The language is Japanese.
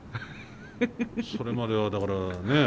それまではだからね